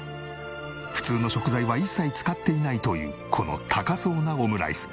普通の食材は一切使っていないというこの高そうなオムライス。